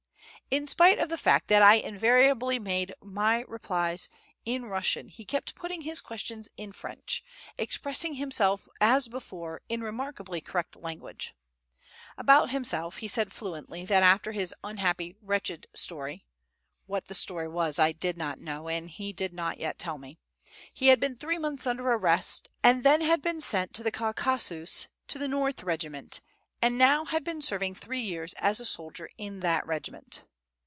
In spite of the fact that I invariably made my replies in Russian, he kept putting his questions in French, expressing himself as before in remarkably correct language. About himself he said fluently that after his unhappy, wretched story (what the story was, I did not know, and he had not yet told me), he had been three months under arrest, and then had been sent to the Caucasus to the N. regiment, and now had been serving three years as a soldier in that regiment.